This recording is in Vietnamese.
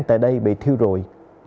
tại đây bị thiêu rùi